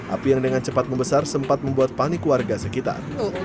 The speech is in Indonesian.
api yang dengan cepat membesar sempat membuat panik warga sekitar